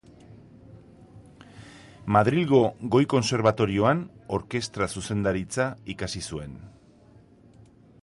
Madrilgo Goi Kontserbatorioan, Orkestra Zuzendaritza ikasi zuen.